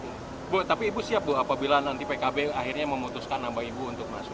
ibu tapi ibu siap bu apabila nanti pkb akhirnya memutuskan nama ibu untuk masuk